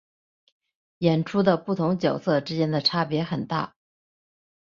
演出的不同角色之间的差别很大。